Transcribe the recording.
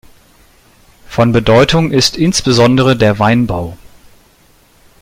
Von Bedeutung ist insbesondere der Weinbau.